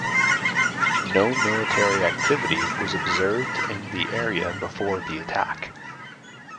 No military activity was observed in the area before the attack.